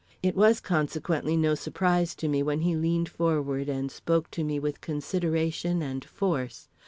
It was consequently no surprise to me when he leaned forward and spoke to me with consideration and force.